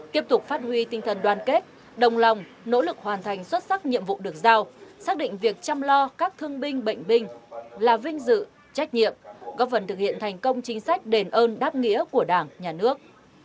tiếp tục phát huy tinh thần đoàn kết đồng lòng nỗ lực hoàn thành xuất sắc nhiệm vụ được giao xác định việc chăm lo các thương binh bệnh binh là vinh dự trách nhiệm góp phần thực hiện thành công chính sách đền ơn đáp nghĩa của đảng nhà nước